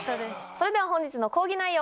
それでは本日の講義内容